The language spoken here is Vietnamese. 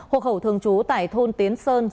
hộ khẩu thường trú tại thôn tiến sơn